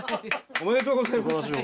おめでとうございます。